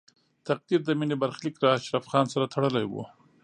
تقدیر د مینې برخلیک له اشرف خان سره تړلی و